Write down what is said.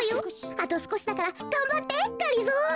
あとすこしだからがんばってがりぞー。